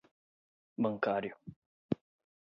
bancário